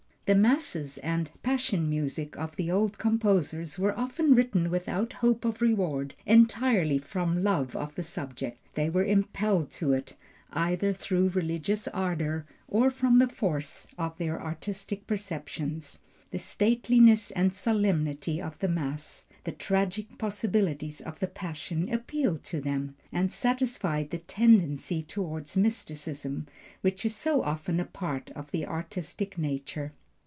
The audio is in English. The Masses and Passion music of the old composers were often written without hope of reward, entirely from love of the subject; they were impelled to it, either through religious ardor, or from the force of their artistic perceptions. The stateliness and solemnity of the Mass, the tragic possibilities of the Passion, appealed to them, and satisfied the tendency toward mysticism, which is so often a part of the artistic nature.